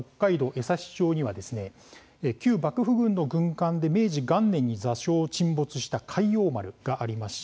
江差町には旧幕府軍の軍艦で明治元年に座礁沈没した開陽丸がありますし。